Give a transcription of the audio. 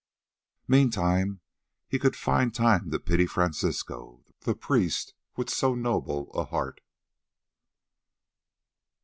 Meantime he could find time to pity Francisco, the priest with so noble a heart.